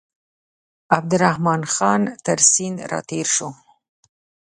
عبدالرحمن خان تر سیند را تېر شو.